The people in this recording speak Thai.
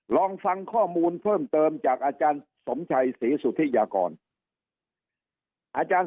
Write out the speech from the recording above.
ลองฟังข้อมูลเพิ่มเติมจากอสมชัยศีลสุธิยากร